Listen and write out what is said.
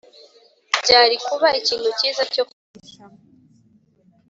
byari kuba ikintu cyiza cyo kwihisha,